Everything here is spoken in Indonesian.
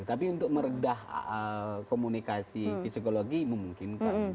tapi untuk meredah komunikasi psikologi memungkinkan